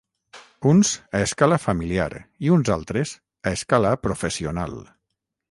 Uns, a escala familiar i uns altres, a escala professional.